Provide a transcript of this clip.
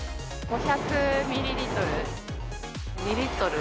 ５００ミリリットル。